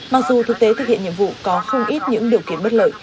mặc dù thực tế thực hiện nhiệm vụ có không ít những điều kiện bất lợi